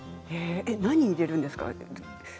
何を入れるんですか？